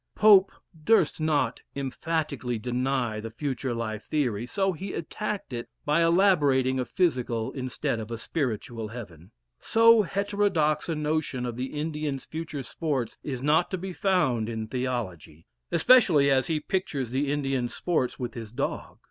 Pope durst not emphatically deny the future life theory, so he attacked it by elaborating a physical instead of a spiritual heaven. So heterodox a notion of the Indian's future sports, is not to be found in theology, especially as he pictures the Indian's sports with his dog.